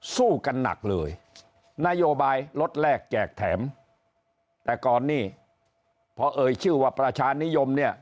สู้กันหนักเลยนโยบายลดแรกแจกแถมแต่ก่อนนี้พอเอ่ยชื่อว่าประชานิยมเนี่ย